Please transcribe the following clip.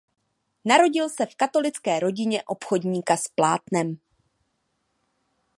Narodil se v katolické rodině obchodníka s plátnem.